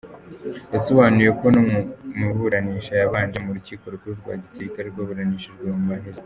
Yasobanuye ko no mu maburanisha yabanje mu Rukiko Rukuru rwa Gisirikare rwaburanishijwe mu muhezo.